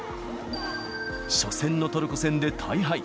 初戦のトルコ戦で大敗。